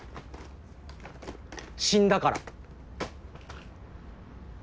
死んだから？